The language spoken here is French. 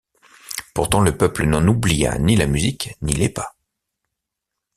Pourtant le peuple n'en oublia ni la musique ni les pas.